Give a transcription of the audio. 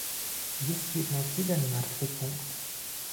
Jest jednak jeden martwy punkt